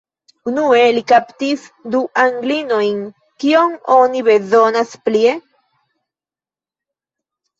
Unue, li kaptis du Anglinojn: kion oni bezonas plie?